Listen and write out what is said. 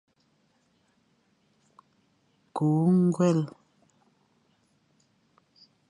Kü ñgwel.